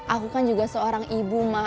aku kan juga seorang ibu ma